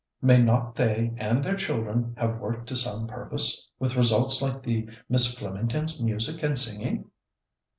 May not they and their children have worked to some purpose, with results like the Miss Flemington's music and singing?"